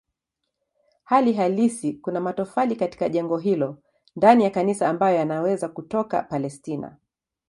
Hali halisi kuna matofali katika jengo hilo ndani ya kanisa ambayo yanaweza kutoka Palestina.